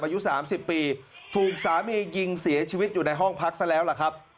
อายุ๓๐ปีถูกสามียิงเสียชีวิตอยู่ในห้องพักซะแล้วล่ะครับ